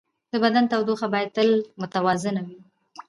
د بدن تودوخه باید تل متوازنه وي.